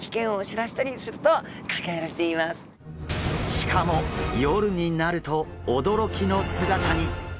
しかも夜になると驚きの姿に！